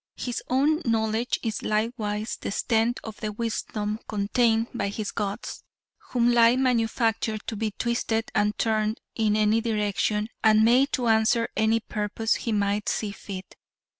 His own knowledge is likewise the extent of the wisdom contained by his gods, whom lie manufactured to be twisted and turned in any direction and made to answer any purpose he might see fit.